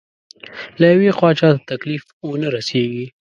له يوې خوا چاته تکليف ونه رسېږي.